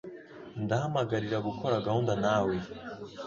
Ndahamagarira gukora gahunda nawe.